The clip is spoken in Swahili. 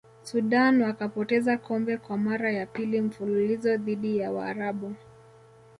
sudan wakapoteza kombe kwa mara ya pili mfululizo dhidi ya waarabu